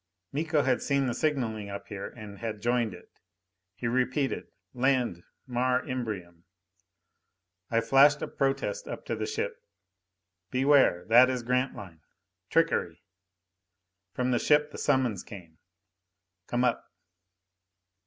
_ Miko had seen the signaling up here and had joined it! He repeated, Land Mare Imbrium. I flashed a protest up to the ship: Beware. That is Grantline! Trickery. From the ship the summons came, _Come up.